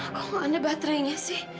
aku gak ada baterainya